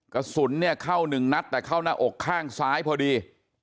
กระสุนเนี่ยเข้าหนึ่งนัดแต่เข้าหน้าอกข้างซ้ายพอดี